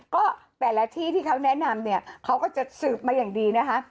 ก็แต่ละที่ที่เขาแนะนำเนี่ยเขาก็จะสืบมาอย่างดีนะคะ